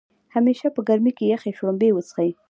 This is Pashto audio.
همیشه په ګرمۍ کې يخې شړومبۍ وڅښئ